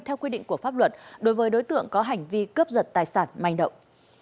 theo quy định của pháp luật đối với đối tượng có hành vi cướp giật tài sản manh động